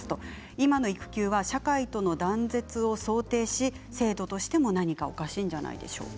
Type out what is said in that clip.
今の育休は社会との断絶を想定し制度としても何かおかしいんじゃないでしょうか。